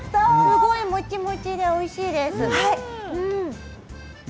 すごいもちもちでおいしいです。